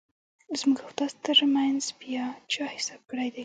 زموږ او ستاسو ترمنځ بیا چا حساب کړیدی؟